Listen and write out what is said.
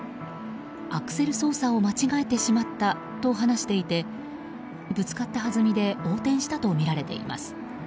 アクセル操作を間違えてしまったと話していてぶつかったはずみで横転したとみられています。